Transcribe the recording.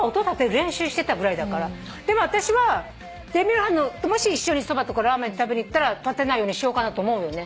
でも私はデミルハンともし一緒にそばとかラーメン食べに行ったら立てないようにしようかなと思うよね。